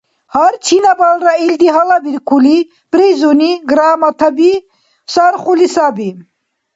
Гьар чинабалра илди гьалабиркули, призуни, Грамотаби сархули саби.